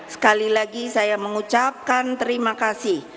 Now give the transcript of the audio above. sekali lagi saya mengucapkan terima kasih